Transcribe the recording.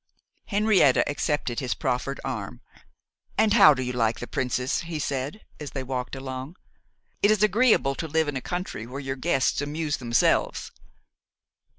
Henrietta accepted his proffered arm. 'And how do you like the princess?' he said, as they walked along. 'It is agreeable to live in a country where your guests amuse themselves.